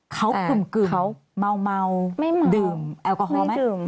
เขาคุ่มกึ่งเมาดื่มไม่เมาไม่ดื่มค่ะ